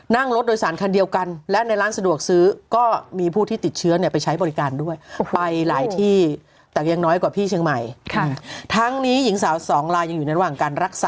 นี่คือใกล้ชิดสุด